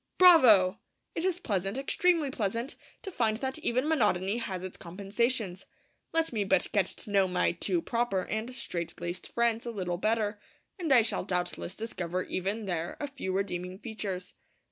Bravo! It is pleasant, extremely pleasant, to find that even monotony has its compensations. Let me but get to know my 'too proper' and 'straight laced' friends a little better, and I shall doubtless discover even there a few redeeming features.